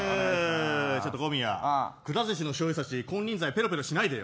ちょっと小宮くら寿司のしょうゆ差し金輪際べろべろしないでよ。